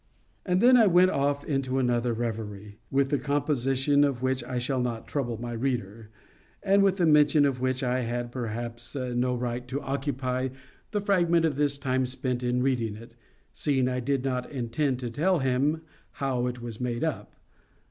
And then I went off into another reverie, with the composition of which I shall not trouble my reader; and with the mention of which I had, perhaps, no right to occupy the fragment of his time spent in reading it, seeing I did not intend to tell him how it was made up.